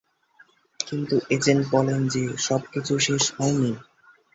কিন্তু এজেন্ট বললেন যে, সব কিছু শেষ হয়নি।